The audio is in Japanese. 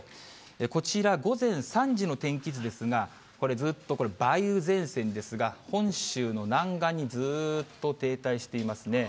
こちら、午前３時の天気図ですが、これ、ずっとこれ、梅雨前線ですが、本州の南岸にずーっと停滞していますね。